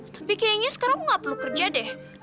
tapi kayaknya sekarang aku gak perlu kerja deh